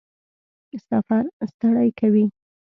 سفر ستړی کوي؟